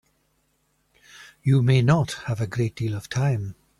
You may not have a great deal of time.